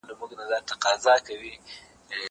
زه کولای سم ليک ولولم!!